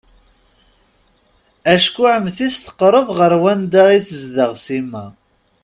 Acku Ɛemti-s teqreb ɣer wanda i tezdeɣ Sima.